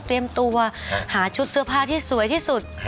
ตัวหาชุดเสื้อผ้าที่สวยที่สุด